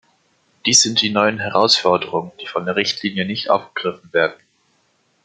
Dies sind die neuen Herausforderungen, die von der Richtlinie nicht aufgegriffen werden.